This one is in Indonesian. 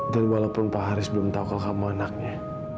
dan walaupun pak haris belum tahu kalau kamu anaknya